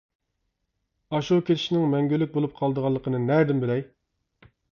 ئاشۇ كېتىشنىڭ مەڭگۈلۈك بولۇپ قالىدىغانلىقىنى نەدىن بىلەي.